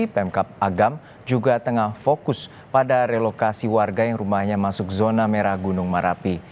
pemkap agam juga tengah fokus pada relokasi warga yang rumahnya masuk zona merah gunung merapi